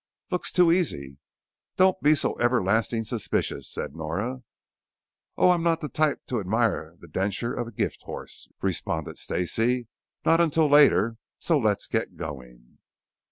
"Looks too easy." "Don't be so everlastingly suspicious," said Nora. "Oh, I'm not the type to admire the denture of a gift horse," responded Stacey. "Not until later. So let's get going."